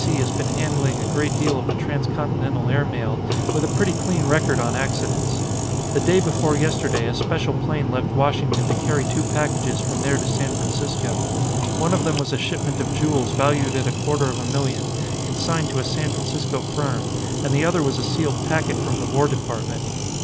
C. has been handling a great deal of the transcontinental air mail with a pretty clean record on accidents. The day before yesterday, a special plane left Washington to carry two packages from there to San Francisco. One of them was a shipment of jewels valued at a quarter of a million, consigned to a San Francisco firm and the other was a sealed packet from the War Department.